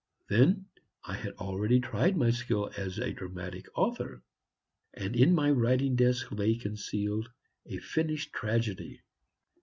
Then I had already tried my skill as a dramatic author, and in my writing desk lay concealed a finished tragedy.